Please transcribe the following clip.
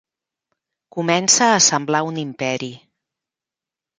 Comença a semblar un imperi.